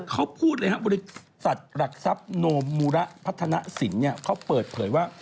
เขาพูดเลยครับบริษัทหลักทรัพย์โนมูระพัฒนศิลป์เขาเปิดเผยว่า